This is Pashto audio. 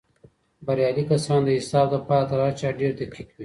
بريالي کسان د حساب دپاره تر هر چا ډېر دقیق وي.